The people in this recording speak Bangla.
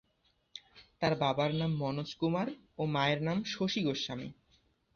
তার বাবার নাম মনোজ কুমার ও মায়ের নাম শশী গোস্বামী।